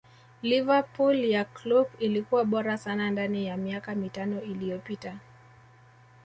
liverpool ya Kloop ilikuwa bora sana ndani ya miaka mitano iliyopita